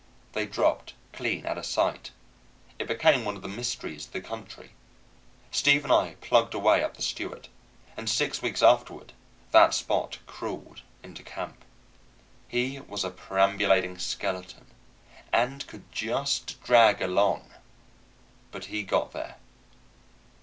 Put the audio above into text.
They dropped clean out of sight. It became one of the mysteries of the country. Steve and I plugged away up the Stewart, and six weeks afterward that Spot crawled into camp. He was a perambulating skeleton, and could just drag along; but he got there.